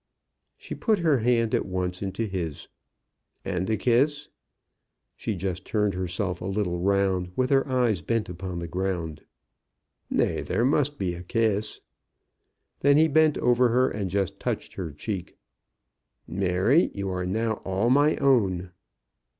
She put her hand at once into his. "And a kiss." She just turned herself a little round, with her eyes bent upon the ground. "Nay; there must be a kiss." Then he bent over her, and just touched her cheek. "Mary, you are now all my own."